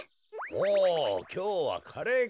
おおきょうはカレーか。